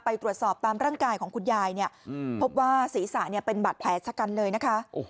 ไปตรวจสอบตามร่างกายของคุณยายเนี่ยพบว่าศีรษะเป็นบาดแผลชะกันเลยนะคะ